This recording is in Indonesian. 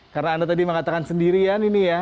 karena anda tadi mengatakan sendirian ini ya